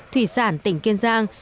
thủy sản tỉnh kiên giang